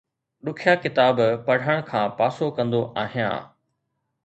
ڏکيا ڪتاب پڙهڻ کان پاسو ڪندو آهيان